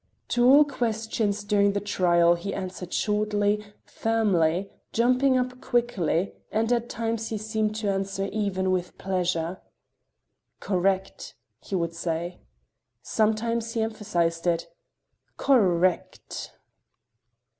To all questions during the trial he answered shortly, firmly, jumping up quickly, and at times he seemed to answer even with pleasure. "Correct!" he would say. Sometimes he emphasized it. "Cor r rect!"